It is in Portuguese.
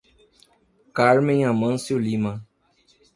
Carmem Amancio Lima